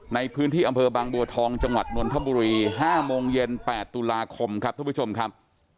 ในพื้นที่อำเภอบางบัวทองจังหวัดนนทบุรี๕โมงเย็น๘ตุลาคมครับทุกผู้ชมครับ